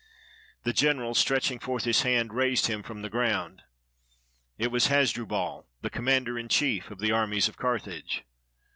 The general, stretching forth his hand, raised him from the ground. It was Hasdrubal, the commander in chief of the armies of Carthage.